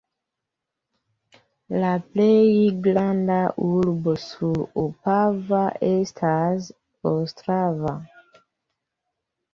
La plej granda urbo sur Opava estas Ostrava.